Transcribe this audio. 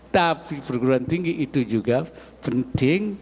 tapi perguruan tinggi itu juga penting